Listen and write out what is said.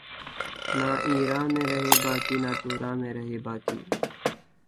نہ ایراں میں رہے باقی نہ توراں میں رہے باقی